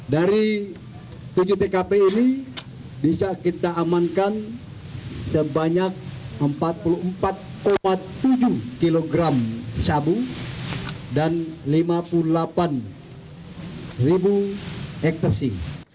dari tujuh tkp ini bisa kita amankan sebanyak empat puluh empat tujuh kg sabu dan lima puluh delapan hektare